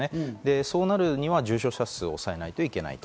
そうなるには重症者数は抑えないといけない。